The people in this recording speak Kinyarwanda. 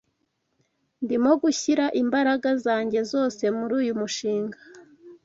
Ndimo gushyira imbaraga zanjye zose muri uyu mushinga.